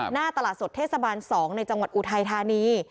หน้าตลาดสดเทศบาล๒ในจังหวัดอุทัยธานี